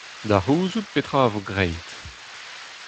Da c'houzout petra a vo graet.